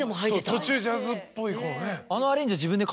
途中ジャズっぽいこうね。